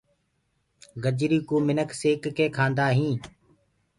گجري ڪوُ منک سيڪ ڪي کآندآ هينٚ۔